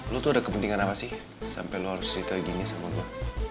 lo tuh ada kepentingan apa sih sampai lo harus cerita gini sama lo